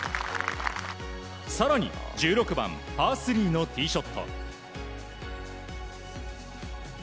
更に、１６番、パー３のティーショット。